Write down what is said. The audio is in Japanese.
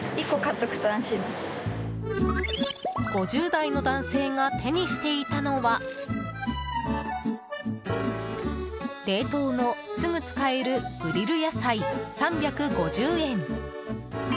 ５０代の男性が手にしていたのは冷凍のすぐ使えるグリル野菜、３５０円。